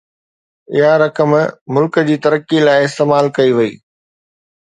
اها رقم ملڪ جي ترقي لاءِ استعمال ڪئي وئي